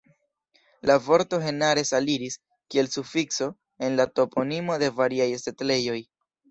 La vorto "henares" aliris, kiel sufikso, en la toponimo de variaj setlejoj.